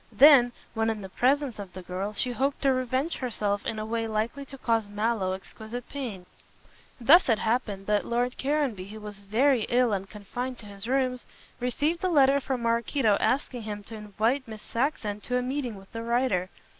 Then, when in the presence of the girl, she hoped to revenge herself in a way likely to cause Mallow exquisite pain. Thus it happened that Lord Caranby, who was very ill and confined to his rooms, received a letter from Maraquito, asking him to invite Miss Saxon to a meeting with the writer.